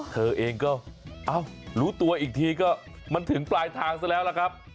เธอเองก็รู้ตัวอีกทีก็มันถึงปลายทางซะแล้วล่ะครับ